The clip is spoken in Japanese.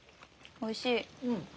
おいしい！